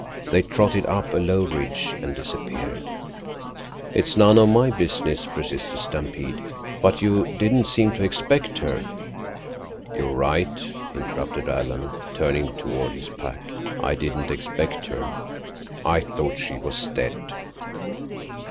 They trotted up a low ridge and disappeared. "It's none of my business," persisted Stampede, "but you didn't seem to expect her—" "You're right," interrupted Alan, turning toward his pack. "I didn't expect her. I thought she was dead."